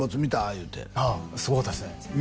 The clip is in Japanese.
いうてああすごかったですね